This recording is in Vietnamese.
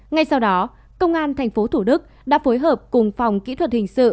ngay sau đó công an tp thủ đức đã phối hợp cùng phòng kỹ thuật hình sự